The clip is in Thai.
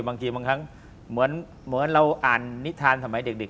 บางทีบางครั้งเหมือนเราอ่านนิทานสมัยเด็ก